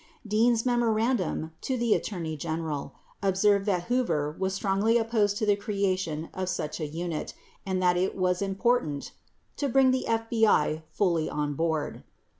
Dean's memorandum to the Attorney General observed that Hoover was strongly opposed to the creation of such a unit and that it was important "to bring the FBI fully on board."